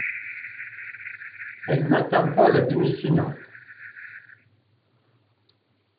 Elle n'atteint pas la demi-finale.